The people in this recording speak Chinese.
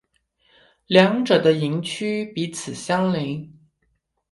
两者的营区彼此相邻。